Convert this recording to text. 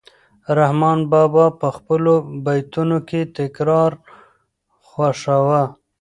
رحمان بابا په خپلو بیتونو کې تکرار خوښاوه.